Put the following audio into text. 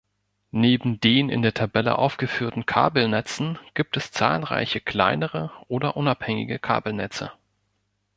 Neben den in der Tabelle aufgeführten Kabelnetzen gibt es zahlreiche kleinere oder unabhängige Kabelnetze.